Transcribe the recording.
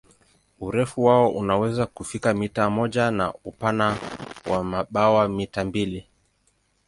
Urefu wao unaweza kufika mita moja na upana wa mabawa mita mbili.